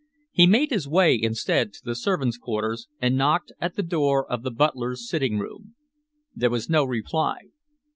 He made his way instead to the servants' quarters and knocked at the door of the butler's sitting room. There was no reply.